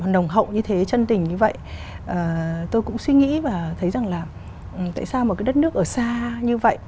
nồng hậu như thế chân tình như vậy tôi cũng suy nghĩ và thấy rằng là tại sao một cái đất nước ở xa như vậy